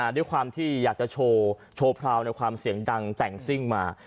ด้วยความที่อยากจะโชว์พราวในความเสียงดังแต่งซิ่งมา